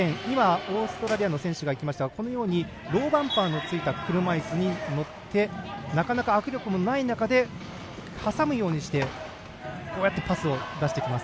オーストラリアの選手がいましたがローバンパーのついた車いすに乗ってなかなか、握力もない中で挟むようにしてパスを出してきます。